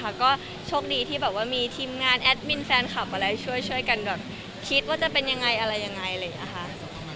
ก็โชคดีที่แบบว่ามีทีมงานแอดมินแฟนคลับอะไรช่วยกันแบบคิดว่าจะเป็นยังไงอะไรยังไงอะไรอย่างนี้ค่ะ